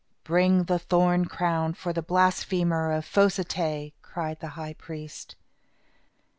"Bring the thorn crown for the blasphemer of Fos i té," cried the high priest.